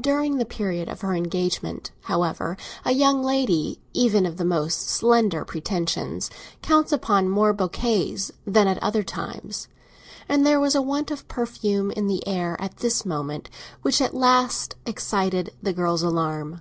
During the period of her engagement, however, a young lady even of the most slender pretensions counts upon more bouquets than at other times; and there was a want of perfume in the air at this moment which at last excited the girl's alarm.